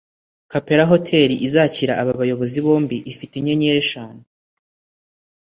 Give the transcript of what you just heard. Capella Hotel izakira aba bayobozi bombi ifite inyenyeri eshanu